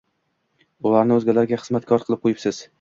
ularni o‘zgalarga xizmatkor qilib qo‘yibmiz?